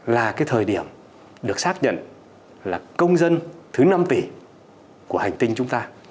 là cái thời điểm được xác nhận là công dân thứ năm tỷ của hành tinh chúng ta